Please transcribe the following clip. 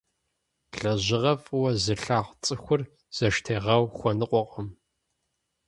Лэжьыгъэр фӀыуэ зылъагъу цӀыхур зэштегъэу хуэныкъуэкъым.